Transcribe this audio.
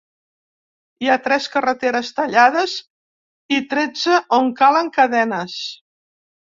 Hi ha tres carreteres tallades i tretze on calen cadenes.